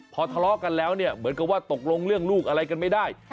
พอทะเลาะกันแล้วเนี่ยเหมือนกับว่าตกลงเรื่องลูกอะไรกันไม่ได้